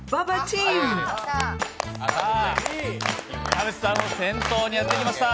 田渕さんを先頭にやってきました。